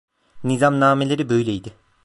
Nizamnameleri böyleydi.